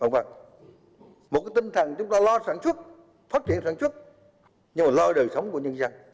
phải lo sản xuất phát triển sản xuất nhưng mà lo đời sống của nhân dân